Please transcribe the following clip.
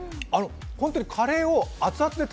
本当にカレーを熱々だ